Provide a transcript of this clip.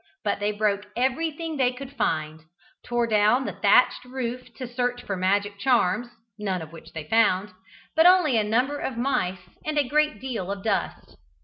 But they broke everything they could find, tore down the thatched roof to search for magic charms, none of which they found, but only a number of mice, and a great deal of dust.